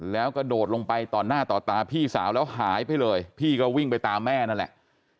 แล้วกระโดดลงไปต่อหน้าต่อตาพี่สาวแล้วหายไปเลยพี่ก็วิ่งไปตามแม่นั่นแหละ